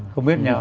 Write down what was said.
không biết nhờ